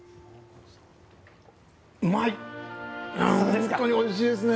本当においしいですね。